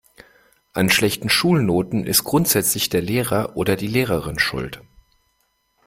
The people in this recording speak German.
An schlechten Schulnoten ist grundsätzlich der Lehrer oder die Lehrerin schuld.